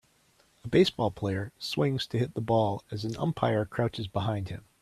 A baseball player swings to hit the ball as an umpire crouches behind him.